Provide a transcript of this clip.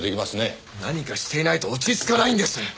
何かしていないと落ち着かないんです！